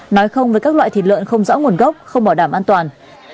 nói không với các loại thịt lợn không rõ nguồn gốc không bảo đảm an toàn